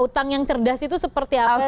utang yang cerdas itu seperti apa